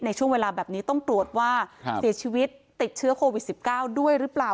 ในช่วงเวลาแบบนี้ต้องตรวจว่าเสียชีวิตติดเชื้อโควิด๑๙ด้วยหรือเปล่า